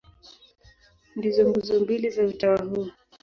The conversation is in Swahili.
Ndizo nguzo mbili za utawa huo.